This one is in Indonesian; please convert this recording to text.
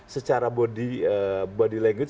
secara body language